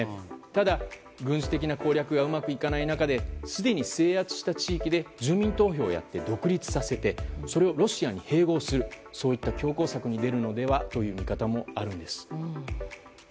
ただ、軍事的な攻略がうまくいかない中ですでに制圧した地域で住民投票をやって独立させてそれをロシアに併合させるという強硬策に出るのではという見方もあるんです。